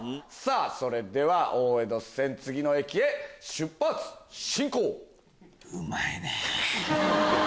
それでは大江戸線次の駅へ出発進行！